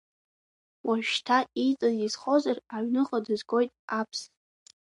Уажәшьҭа ииҵаз изхозар, аҩныҟа дызгоит аԥс.